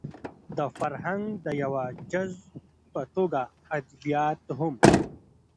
د فرهنګ د يوه جز په توګه ادبيات هم